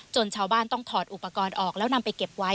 ชาวบ้านต้องถอดอุปกรณ์ออกแล้วนำไปเก็บไว้